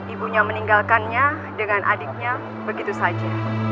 ibunya meninggalkannya dengan adiknya begitu saja